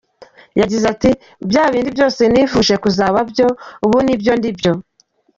Yagize ati "Bya bindi byose nifuje kuzaba byo ubu nibyo ndibyo.